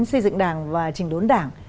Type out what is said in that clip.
xây dựng đảng và trình đốn đảng